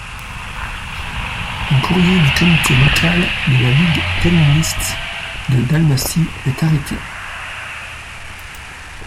Un courrier du comité local de la Ligue communiste de Dalmatie est arrêté.